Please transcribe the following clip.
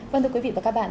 vâng thưa quý vị và các bạn